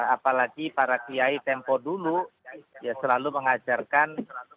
apalagi para kiai tempo dulu ya selalu mengajarkan